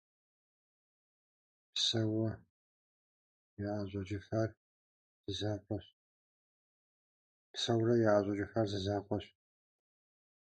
Псэууэ яӀэщӀэкӀыфар зы закъуэщ.